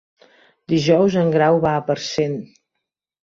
Dijous en Grau va a Parcent.